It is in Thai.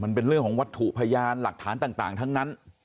มันเป็นเรื่องของวัตถุพยานหลักฐานต่างทั้งนั้น